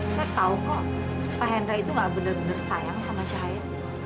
saya tahu kok pak hendra itu nggak bener bener sayang sama cahaya